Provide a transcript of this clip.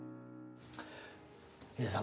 ヒデさん